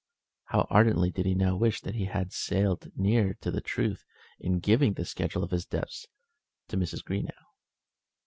How ardently did he now wish that he had sailed nearer to the truth in giving in the schedule of his debts to Mrs. Greenow.